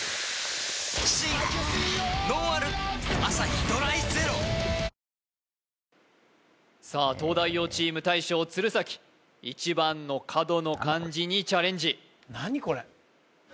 クイズさあ東大王チーム大将・鶴崎１番の角の漢字にチャレンジ何これ？